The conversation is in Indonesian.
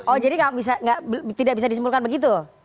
oh jadi tidak bisa disimpulkan begitu